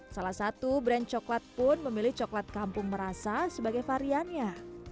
salah satu brand coklat pun memilih coklat kampung merasa sebagai variannya